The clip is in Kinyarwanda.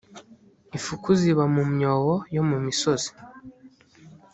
ifuku ziba mu myobo yo mu misozi .